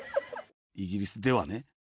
イギリスではね。